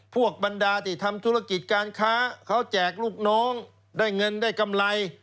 บรรดาที่ทำธุรกิจการค้าเขาแจกลูกน้องได้เงินได้กำไร